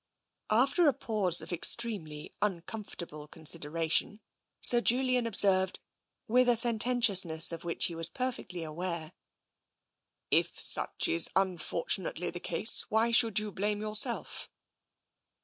After a pause of extremely uncomfortable consider ation. Sir Julian observed, with a sententiousness of which he was perfectly aware : "If such is unfortunately the case, why should you blame yourself?